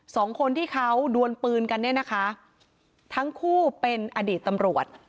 คนที่เขาดวนปืนกันเนี่ยนะคะทั้งคู่เป็นอดีตตำรวจ